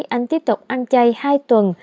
anh tiếp tục ăn chay hai tuần